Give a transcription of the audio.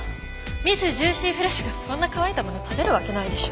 ミスジューシーフレッシュがそんな乾いたもの食べるわけないでしょ。